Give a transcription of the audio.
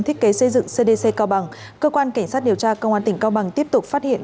thiết kế xây dựng cdc cao bằng cơ quan cảnh sát điều tra công an tỉnh cao bằng tiếp tục phát hiện